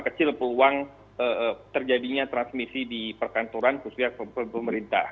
kecil peluang terjadinya transmisi di perkantoran khususnya pemerintah